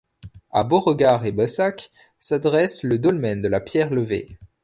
À Beauregard-et-Bassac se dresse le dolmen de la Pierre Levée.